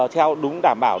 theo đúng đảm bảo